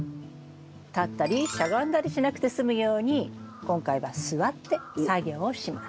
立ったりしゃがんだりしなくて済むように今回は座って作業をします。